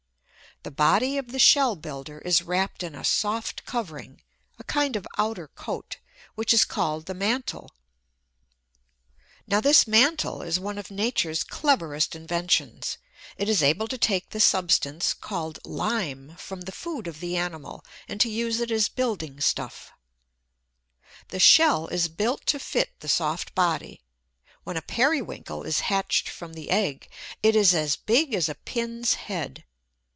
The body of the shell builder is wrapped in a soft covering, a kind of outer coat, which is called the mantle. Now this mantle is one of Nature's cleverest inventions. It is able to take the substance called lime from the food of the animal, and to use it as building stuff. [Illustration: PRECIOUS WENTLETRAP.] The shell is built to fit the soft body. When a Periwinkle is hatched from the egg, it is as big as a pin's head.